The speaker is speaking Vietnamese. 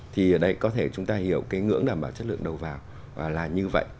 thì ở đây có thể chúng ta hiểu cái ngưỡng đảm bảo chất lượng đầu vào là như vậy